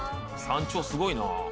「山頂すごいなあ」